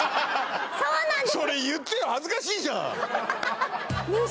そうなんです